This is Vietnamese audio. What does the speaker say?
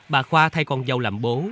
bà khoa thay con dâu làm bố